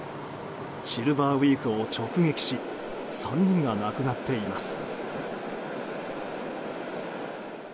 シルバーウィークを直撃し３人が亡くなっています。